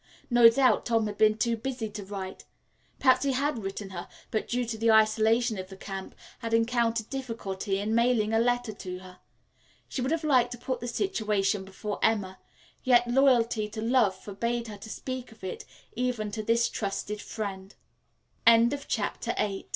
No doubt Tom had been too busy to write. Perhaps he had written her, but, due to the isolation of the camp, had encountered difficulty in mailing a letter to her. She would have liked to put the situation before Emma, yet loyalty to love forbade her to speak of it even to this trusted friend. CHAPTER IX THE MEANING OF